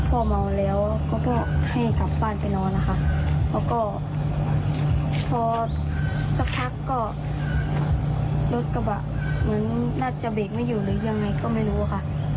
พ่อเมาแล้วเขาก็ให้กลับบ้านไปนอนนะคะแล้วก็พอสักพักก็รถกระบะเหมือนน่าจะเบรกไม่อยู่หรือยังไงก็ไม่รู้ค่ะ